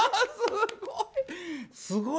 すごい。